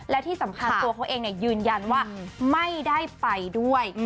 และที่สำคัญตัวเขาเองยืนยันว่าไม่ได้ไปด้วย